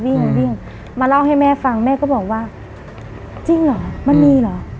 วิ่งวิ่งมาเล่าให้แม่ฟังแม่ก็บอกว่าจริงเหรอมันมีเหรอ